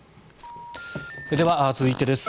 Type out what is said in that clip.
では、続いてです。